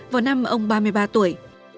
vào năm ông ba mươi ba tuổi